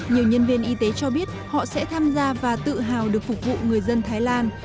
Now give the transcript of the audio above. nhiều nhân viên y tế cho biết họ sẽ tham gia và tự hào được phục vụ người dân thái lan